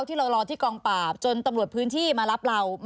ที่เรารอที่กองปราบจนตำรวจพื้นที่มารับเรา